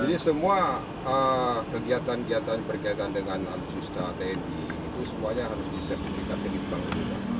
jadi semua kegiatan kegiatan berkaitan dengan alutsusta tni itu semuanya harus disertifikasi di tni